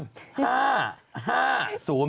ดอกจันทร์๕๐